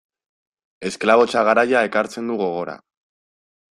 Esklabotza garaia ekartzen du gogora.